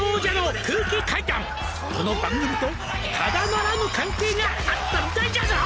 「この番組とただならぬ関係があったみたいじゃぞ！」